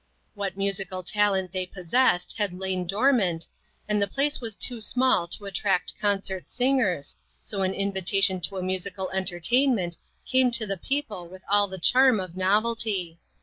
What musical talent they possessed had lain dormant, and the place was too small to attract concert singers , so an invitation to a musical entertainment came to the people with all the charm of novelty.